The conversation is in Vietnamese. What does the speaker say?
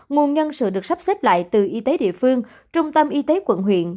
nguồn nhân sự được sắp xếp lại từ y tế địa phương trung tâm y tế quận huyện